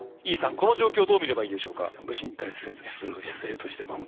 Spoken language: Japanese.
この状況どう見ればいいでしょうか？